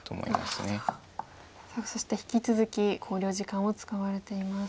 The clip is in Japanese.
さあそして引き続き考慮時間を使われています。